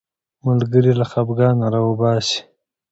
ملګری له خفګانه راوباسي